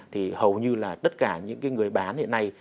thì hầu như là tất cả những cái người bán hiện nay